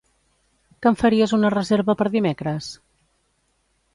Que em faries una reserva per dimecres?